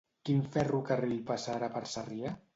Quin ferrocarril passa ara per Sarrià?